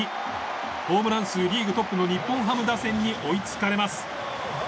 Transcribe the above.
ホームラン数リーグトップの日本ハム打線に追いつかれます。